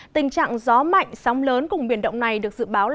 tình trạng gió mạnh sóng lớn cùng biển động này được dự báo là